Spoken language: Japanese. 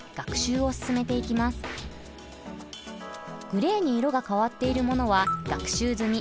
グレーに色が変わっているものは学習済み。